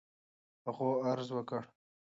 هغو عرض وكړ: